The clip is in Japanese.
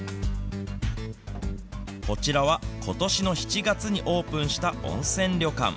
こちらは、ことしの７月にオープンした温泉旅館。